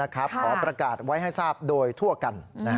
ขอประกาศไว้ให้ทราบโดยทั่วกัน